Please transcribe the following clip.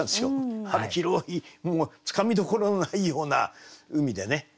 広いもうつかみどころのないような海でね。